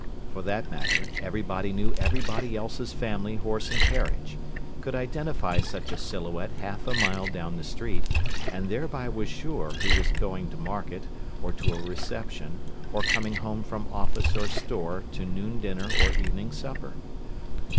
For that matter, everybody knew everybody else's family horse and carriage, could identify such a silhouette half a mile down the street, and thereby was sure who was going to market, or to a reception, or coming home from office or store to noon dinner or evening supper.